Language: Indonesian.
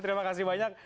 terima kasih banyak